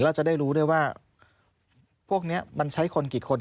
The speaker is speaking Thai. แล้วจะได้รู้ด้วยว่าพวกนี้มันใช้คนกี่คน